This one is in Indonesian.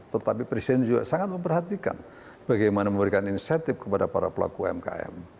tetapi presiden juga sangat memperhatikan bagaimana memberikan insentif kepada para pelaku umkm